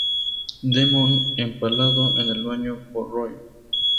Demon: Empalado en el baño por Roy.